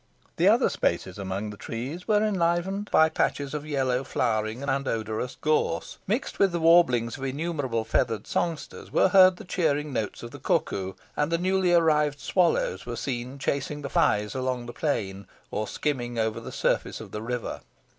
The other spaces among the trees were enlivened by patches of yellow flowering and odorous gorse. Mixed with the warblings of innumerable feathered songsters were heard the cheering notes of the cuckoo; and the newly arrived swallows were seen chasing the flies along the plain, or skimming over the surface of the river.